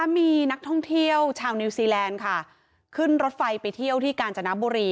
มีนักท่องเที่ยวชาวนิวซีแลนด์ค่ะขึ้นรถไฟไปเที่ยวที่กาญจนบุรี